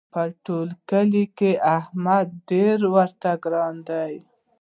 په ټول کلي احمد ډېر راته ګران دی.